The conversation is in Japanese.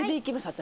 私。